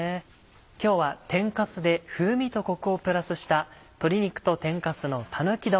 今日は天かすで風味とコクをプラスした鶏肉と天かすのたぬき丼。